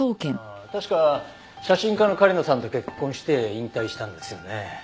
確か写真家の狩野さんと結婚して引退したんですよね。